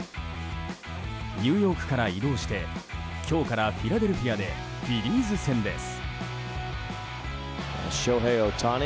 ニューヨークから移動して今日からフィラデルフィアでフィリーズ戦です。